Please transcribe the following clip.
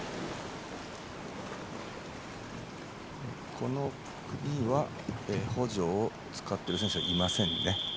この組は補助を使っている選手はいませんね。